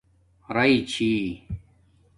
رئ چھئ